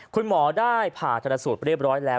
คุณหมอได้ผ่าชนสูตรเรียบร้อยแล้ว